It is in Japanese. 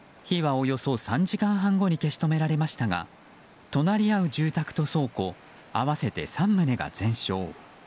火はおよそ３時間半後に消し止められましたが隣り合う住宅と倉庫合わせて３棟が全焼。